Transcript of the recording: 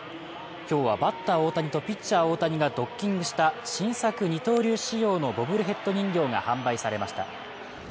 今日はバッター・大谷とピッチャー・大谷がドッキングした新作二刀流仕様のボブルヘッド人形が販売されました。